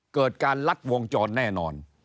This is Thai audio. เกิดการลัดวงจรแน่นอน